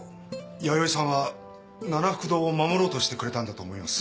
弥生さんはななふく堂を守ろうとしてくれたんだと思います。